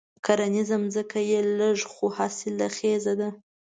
کرنيزه ځمکه یې لږه خو حاصل خېزه ده.